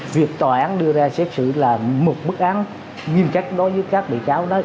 việc tòa án đưa ra xét xử là một bức án nghiêm trách đối với các bị cháu đó